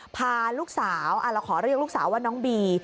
พาลูกสาวเราขอเรียกลูกสาวว่าน้องบี